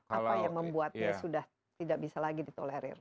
apa yang membuatnya sudah tidak bisa lagi ditolerir